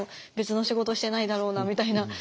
別の仕事してないだろうなみたいな。